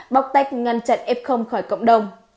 bóc tách ngăn chặn f khỏi cộng đồng